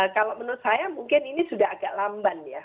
kalau menurut saya mungkin ini sudah agak lamban ya